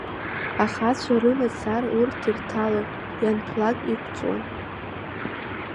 Ахацәа рымацара урҭ ирҭалон, ианҭәлак иқәҵуан.